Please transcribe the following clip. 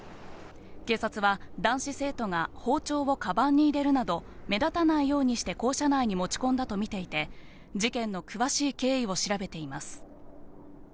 警察は男子生徒が包丁をかばんに入れるなど、目立たないようにして校舎内に持ち込んだと見ていて、事件の詳しい経緯を調べています。